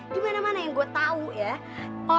di mana mana yang gue tahu ya orang itu naik jalan